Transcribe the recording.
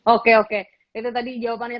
oke oke itu tadi jawabannya